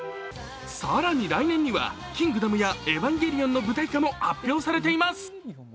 更に来年には「キングダム」や「エヴァンゲリオン」の舞台化も発表されています。